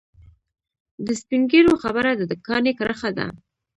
د سپین ږیرو خبره د کاڼي کرښه ده.